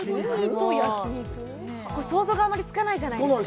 想像があんまりつかないじゃないですか。